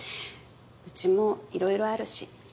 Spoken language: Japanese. うちもいろいろあるし。